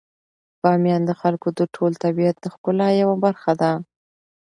بامیان د افغانستان د ټول طبیعت د ښکلا یوه برخه ده.